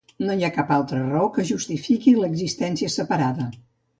No hi ha cap altra raó que en justifiqui l’existència separada.